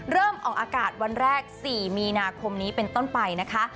เริ่มออกอากาศวันแรก๔มีนาคมนี้เป็นต้นไปนะคะ